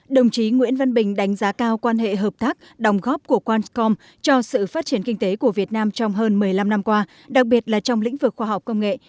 đồng chí nguyễn văn bình đánh giá cao quan hệ hợp tác đồng góp của quantcom cho sự phát triển kinh tế của việt nam trong hơn một mươi năm năm qua đặc biệt là trong lĩnh vực khoa học công nghệ